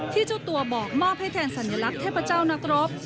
เจ้าตัวบอกมอบให้แทนสัญลักษณ์เทพเจ้านักรบ